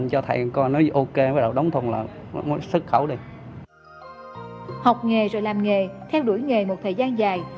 học nghề rồi làm nghề theo đuổi nghề một thời gian dài